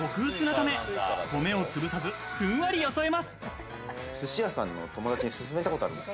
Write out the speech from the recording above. ため、米を潰さず、ふんわりよそえます。